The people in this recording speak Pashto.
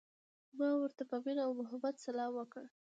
ما ورته په مینه او محبت سلام وکړ.